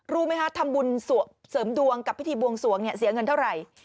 รู้ไหมคะทำบุญเสริมดวงกับพิธีบวงสวงเนี่ยเสียเงินเท่าไหร่